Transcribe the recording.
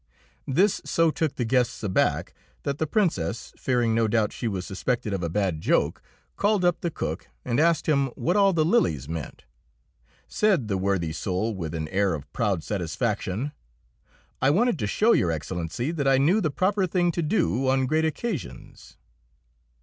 This so took the guests aback that the Princess, fearing no doubt she was suspected of a bad joke, called up the cook, and asked him what all the lilies meant. Said the worthy soul with an air of proud satisfaction, "I wanted to show Your Excellency that I knew the proper thing to do on great occasions."